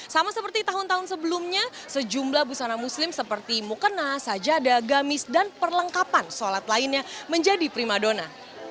sama seperti tahun tahun sebelumnya sejumlah busana muslim seperti mukena sajada gamis dan perlengkapan sholat lainnya menjadi primadona